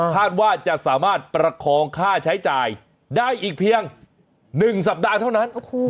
คาดว่าจะสามารถประคองค่าใช้จ่ายได้อีกเพียง๑สัปดาห์เท่านั้น